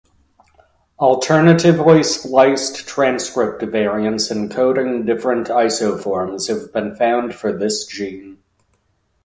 Alternatively spliced transcript variants encoding different isoforms have been found for this gene.